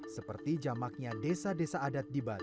seperti jamaknya desa desa adat di bali